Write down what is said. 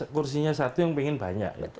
kursinya satu yang pengen banyak gitu